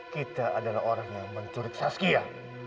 kita adalah orang yang mencurit saskia